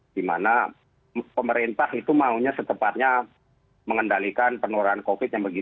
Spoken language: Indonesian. di mana pemerintah itu maunya setepatnya mengendalikan penularan covid sembilan belas